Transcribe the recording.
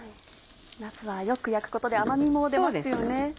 なすはよく焼くことで甘みも出ますよね。